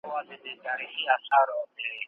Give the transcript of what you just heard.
مسلمانان هره ورځ پنځه ځله خپل رب ته سر په سجده ږدي.